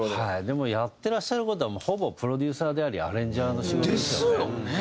でもやってらっしゃる事はほぼプロデューサーでありアレンジャーの仕事ですよね。ですよね。